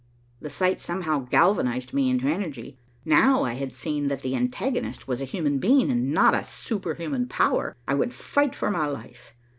The sight somehow galvanized me into energy. Now I had seen that the antagonist was a human being, and not a superhuman power, I would fight for my life.